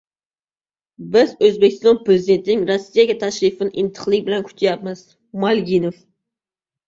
Biz O‘zbekiston prezidentining Rossiyaga tashrifini intiqlik bilan kutyapmiz – Malginov